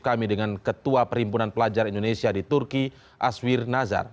kami dengan ketua perhimpunan pelajar indonesia di turki aswir nazar